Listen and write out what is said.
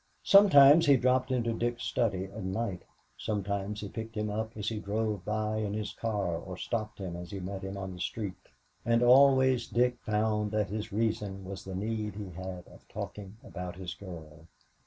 Sometimes he dropped into Dick's study at night, sometimes he picked him up as he drove by in his car or stopped him as he met him on the street; and always Dick found that his reason was the need he had of talking about his girl.